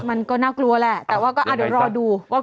มันก็น่ากลัวแต่ว่าก็เดี๋ยวรอดูว่าตกต้มไทยกว่าไหน